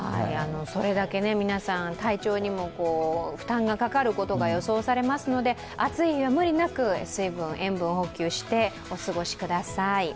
それだけ皆さん、体調にも負担がかかることが予想されますので、暑い日は無理なく、水分・塩分補給してお過ごしください。